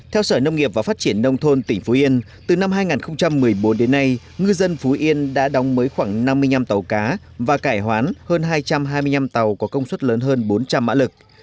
theo sở nông nghiệp và phát triển nông thôn tỉnh phú yên từ năm hai nghìn một mươi bốn đến nay ngư dân phú yên đã đóng mới khoảng năm mươi năm tàu cá và cải hoán hơn hai trăm hai mươi năm tàu có công suất lớn hơn bốn trăm linh mã lực